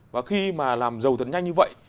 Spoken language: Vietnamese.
và khi mà làm giàu thật nhanh như vậy